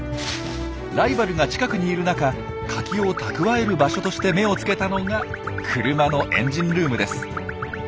ライバルが近くにいる中カキを蓄える場所として目を付けたのが車のエンジンルームです。